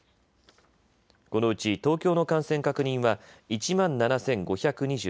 このうち東京の感染確認は１万７５２６人。